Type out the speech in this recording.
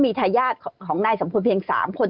มีทายาทของนายสัมพลเพียง๓คน